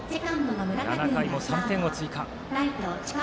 ７回も３点を追加。